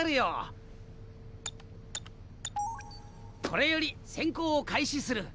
これより潜行を開始する。